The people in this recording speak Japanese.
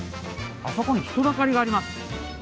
あそこに人だかりがあります。